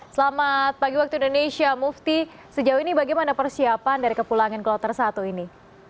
selamat pagi waktu indonesia mufti sejauh ini bagaimana persiapan dari kepulangan kloter satu ini